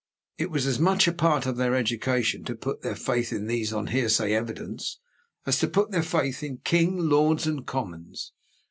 It was as much a part of their education to put their faith in these on hearsay evidence, as to put their faith in King, Lords and Commons.